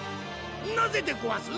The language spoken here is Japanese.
なぜでごわす？